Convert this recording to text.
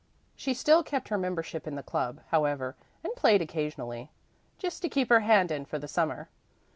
She still kept her membership in the club, however, and played occasionally, "just to keep her hand in for the summer."